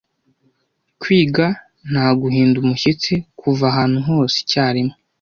kwiga nta guhinda umushyitsi kuva ahantu hose icyarimwe